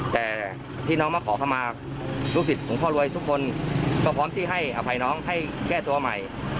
แต่ที่น้องมาขอเข้ามาลูกศิษย์ของพ่อรวยทุกคนก็พร้อมที่ให้อภัยน้องให้แก้ตัวใหม่